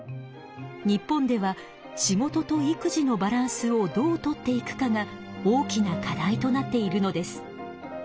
日本では仕事と育児のバランスをどうとっていくかが大きな課題となっているのです。